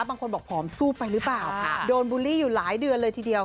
บางคนบอกผอมสู้ไปหรือเปล่าโดนบูลลี่อยู่หลายเดือนเลยทีเดียว